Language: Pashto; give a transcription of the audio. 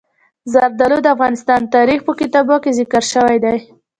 زردالو د افغان تاریخ په کتابونو کې ذکر شوی دي.